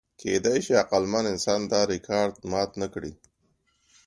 کېدی شي عقلمن انسان دا ریکارډ مات نهکړي.